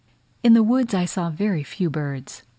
In the woods I saw very few birds.